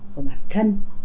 của bản thân